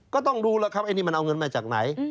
ก็ต้องดูแล้วครับไอ้นี่มันเอาเงินมาจากไหน